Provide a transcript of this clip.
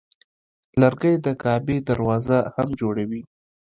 لرګی د کعبې دروازه هم جوړوي.